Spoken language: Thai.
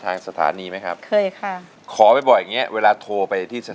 นางเดาเรืองหรือนางแววเดาสิ้นสดหมดสาวกลายเป็นขาวกลับมา